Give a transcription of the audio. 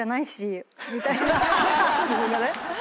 自分がね。